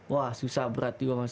wah susah berat juga mas